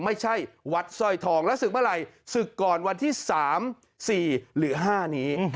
ไม่ใช่วัดสร้อยทองแล้วศึกเมื่อไหร่ศึกก่อนวันที่๓๔หรือ๕นี้